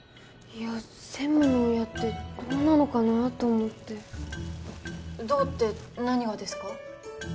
いや専務の親ってどうなのかなーと思ってどうって何がですか？